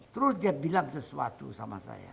terus dia bilang sesuatu sama saya